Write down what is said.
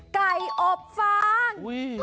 ไก่อบฟาง